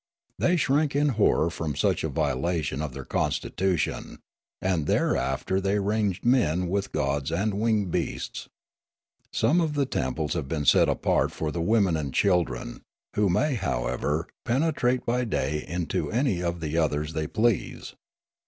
They shrank in horror from such a violation of their constitution, and thereafter the}'^ ranged men with gods and winged beasts. Some of the temples have been set apart for the women and children, who may, however, penetrate by day into any of the others they please.